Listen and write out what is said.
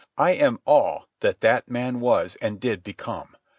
I am all that that man was and did become.